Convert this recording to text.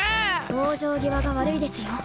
往生際が悪いですよ